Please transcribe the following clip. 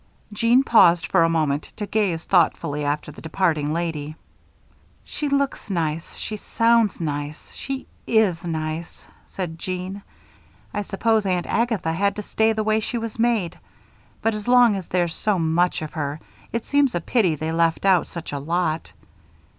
Jeanne paused for a moment to gaze thoughtfully after the departing lady. "She looks nice, she sounds nice, and she is nice," said Jeanne. "I suppose Aunt Agatha had to stay the way she was made, but as long as there's so much of her, it seems a pity they left out such a lot.